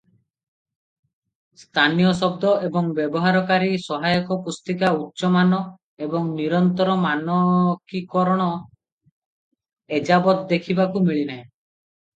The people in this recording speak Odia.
ସ୍ଥାନୀୟ ଶବ୍ଦ ଏବଂ ବ୍ୟବହାରକାରୀ ସହାୟକ ପୁସ୍ତିକା ଉଚ୍ଚ ମାନ ଏବଂ ନିରନ୍ତର ମାନକୀକରଣ ଏଯାବତ ଦେଖିବାକୁ ମିଳିନାହିଁ ।